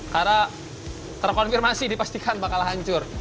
karena terkonfirmasi dipastikan bakal hancur